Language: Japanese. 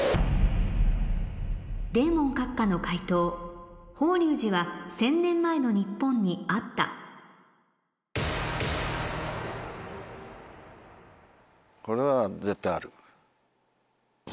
デーモン閣下の解答法隆寺は１０００年前の日本にあったこれは絶対ある。